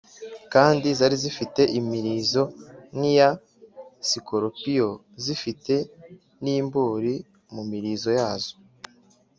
Kandi zari zifite imirizo nk’iya sikorupiyo zifite n’imbōri mu mirizo yazo,